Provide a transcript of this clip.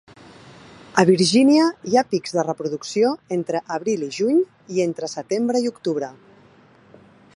A Virginia hi ha pics de reproducció entre abril i juny i entre setembre i octubre.